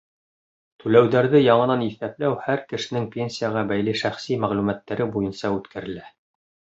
Түләүҙәрҙе яңынан иҫәпләү һәр кешенең пенсияға бәйле шәхси мәғлүмәттәре буйынса үткәрелә.